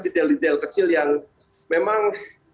detail detail kecil yang memang